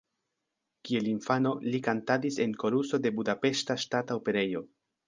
Kiel infano, li kantadis en koruso de Budapeŝta Ŝtata Operejo.